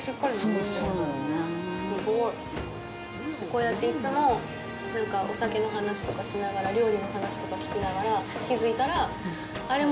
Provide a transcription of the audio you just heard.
こうやって、いつもなんかお酒の話とかしながら、料理の話とかを聞きながら、気づいたら、あれ？